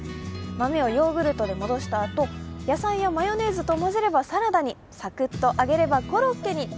豆をヨーグルトで戻したあと、野菜やマヨネーズと混ぜればサラダにサクッと揚げればコロッケに。